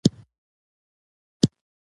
د کندهار په ارغستان کې د ګچ نښې شته.